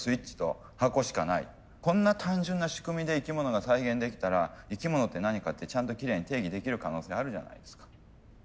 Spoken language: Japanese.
こんな単純な仕組みで生き物が再現できたら生き物って何かってちゃんときれいに定義できる可能性あるじゃないですか。